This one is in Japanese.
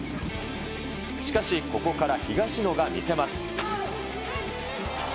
しかし、ここから東野が見せます。